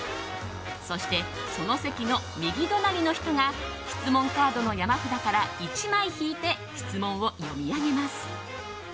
そして、その席の右隣の人が質問カードの山札から１枚引いて、質問を読み上げます。